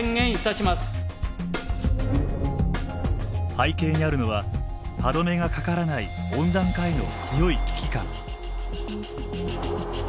背景にあるのは歯止めがかからない温暖化への強い危機感。